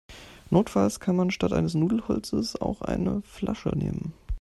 Notfalls kann man statt eines Nudelholzes auch eine Flasche nehmen.